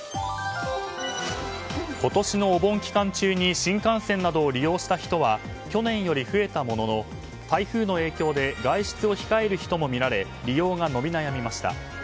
今年のお盆期間中に新幹線などを利用した人は去年より増えたものの台風の影響で外出を控える人も見られ利用が伸び悩みました。